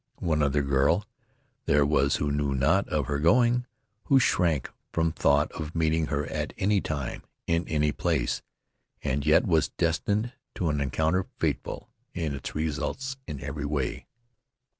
One other girl there was who knew not of her going, who shrank from thought of meeting her at any time, in any place, and yet was destined to an encounter fateful in its results in every way.